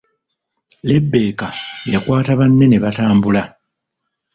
Lebbeka yakwata banne ne batambula.